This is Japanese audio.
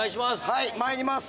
はいまいります